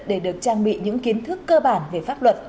để được trang bị những kiến thức cơ bản về pháp luật